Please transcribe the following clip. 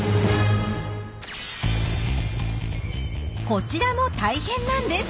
こちらも大変なんです！